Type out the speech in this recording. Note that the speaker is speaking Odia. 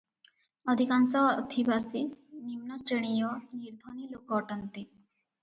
ଅଧିକାଂଶ ଅଧିବାସୀ ନିମ୍ନଶ୍ରେଣୀୟ ନିର୍ଦ୍ଧନୀ ଲୋକ ଅଟନ୍ତି |